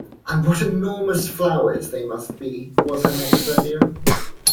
‘And what enormous flowers they must be!’ was her next idea.